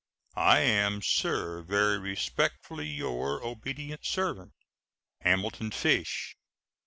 I am, sir, very respectfully, your obedient servant, HAMILTON FISH.